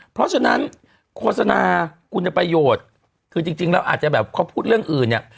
เพราะฉะนั้นโฆษณาคุณประโยชน์คือจริงแล้วอาจจะแบบเขาพูดเรื่องอื่นเนี่ย